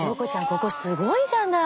ここすごいじゃない。